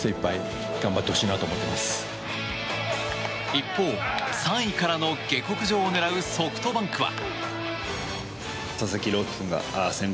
一方、３位からの下克上を狙うソフトバンクは。